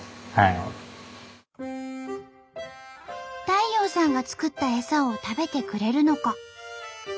太陽さんが作ったエサを食べてくれるのか。